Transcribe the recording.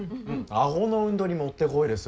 顎の運動にもってこいです。